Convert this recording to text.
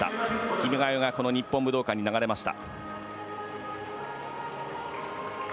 「君が代」が日本武道館に流れました。